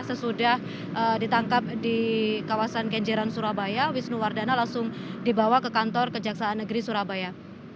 sesudah ditangkap di kawasan kenjeran surabaya wisnu wardana langsung dibawa ke kantor kejaksaan negeri surabaya